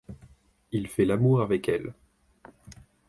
Il fait l'amour avec elle.